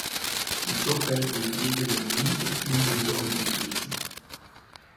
I så fald ville vi ikke være mennesker, men guddommelige væsener.